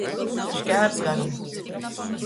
Škārs garum.